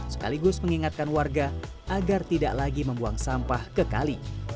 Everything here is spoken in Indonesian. sekaligus mengingatkan warga agar tidak lagi membuang sampah ke kali